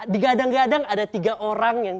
digadang gadang ada tiga orang yang